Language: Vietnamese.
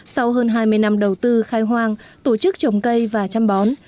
sau hơn hai mươi năm đầu tư khai hoang tổ chức trồng cây và chăm bón